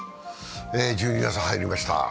１２月、入りました。